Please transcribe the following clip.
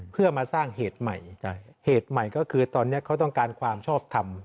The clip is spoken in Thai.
เพื่อมาสร้างเหตุใหม่เหตุใหม่ก็คือตอนนี้เขาต้องการความชอบทำ